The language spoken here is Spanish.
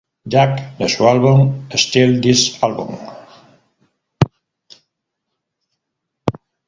Jack", de su álbum "Steal This Album!".